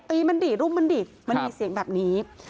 มันดิรุมมันดิมันมีเสียงแบบนี้